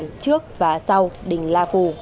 trên địa bàn trước và sau đỉnh la phủ